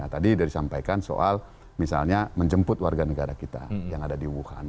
tadi sudah disampaikan soal misalnya menjemput warga negara kita yang ada di wuhan